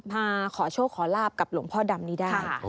มาขอโชคขอลาบกับหลวงพ่อดำนี้ได้